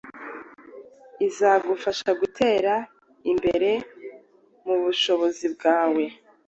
izagufasha gutera imbere mu bushobozi bwawe